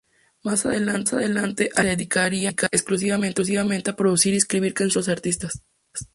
Más adelante, Alexander se dedicaría exclusivamente a producir y escribir canciones para otros artistas.